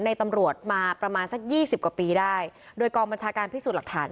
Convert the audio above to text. ในตำรวจมาประมาณสักยี่สิบกว่าปีได้โดยกองบัญชาการพิสูจน์หลักฐาน